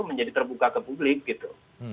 menjadi terbuka ke publik gitu